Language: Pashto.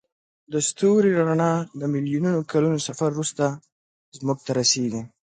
د ستوري رڼا د میلیونونو کلونو سفر وروسته موږ ته رسیږي.